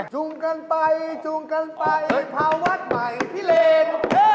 จุ่มกันไปจุ่มกันไปพาวัดใหม่พี่เรน